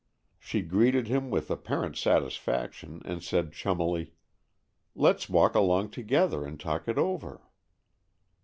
She greeted him with apparent satisfaction, and said chummily, "Let's walk along together and talk it over."